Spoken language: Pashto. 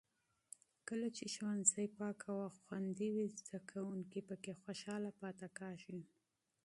کله چې ښوونځي پاک او خوندي وي، زده کوونکي پکې خوشحاله پاتې کېږي.